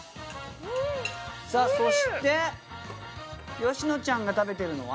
さぁそしてよしのちゃんが食べてるのは？